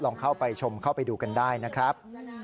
เข้าไปชมเข้าไปดูกันได้นะครับ